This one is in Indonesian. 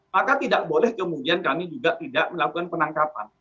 maka tidak boleh kemudian kami juga tidak melakukan penangkapan